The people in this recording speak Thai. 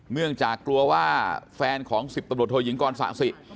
เนื่องจากกลัวว่าแฟนของ๑๐ตำรวจโทยิงกรสะสิ